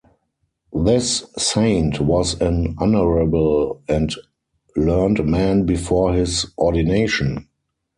This saint was an honorable and learned man before his ordination.